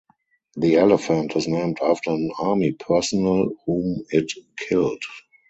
The elephant is named after an army personnel whom it killed.